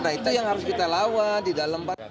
nah itu yang harus kita lawan di dalam